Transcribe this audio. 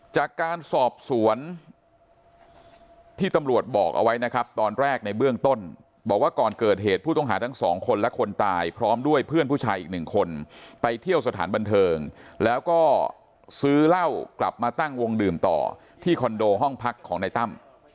จากการสอบสวนที่ตำรวจบอกเอาไว้นะครับตอนแรกในเบื้องต้นบอกว่าก่อนเกิดเหตุผู้ต้องหาทั้งสองคนและคนตายพร้อมด้วยเพื่อนผู้ชายอีกหนึ่งคนไปเที่ยวสถานบันเทิงแล้วก็ซื้อเหล้ากลับมาตั้งวงดื่มต่อที่คอนโดห้องพักของในตั้ม